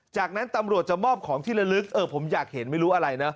จากนั้นตำรวจจะมอบของที่ละลึกเออผมอยากเห็นไม่รู้อะไรนะ